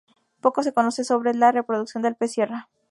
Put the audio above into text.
Poco se conoce sobre la la reproducción del pez sierra.